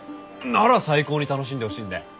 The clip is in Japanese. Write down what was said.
なら最高に楽しんでほしいんで。